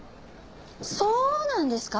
そうなんですか？